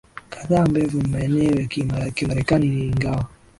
kadhaa ambavyo ni maeneo ya Kimarekani ingawa